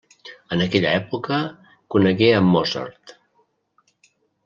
En aquella època conegué a Mozart.